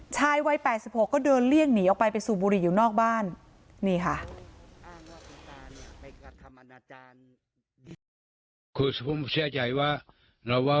ชายวัย๘๖ก็เดินเลี่ยงหนีออกไปสู่บุรีอยู่ตรงนี้ค่ะ